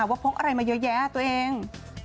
พกอะไรมาเยอะแยะตัวเอง